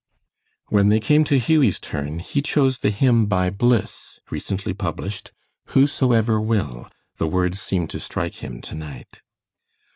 When they came to Hughie's turn, he chose the hymn by Bliss, recently published, "Whosoever will," the words seem to strike him tonight.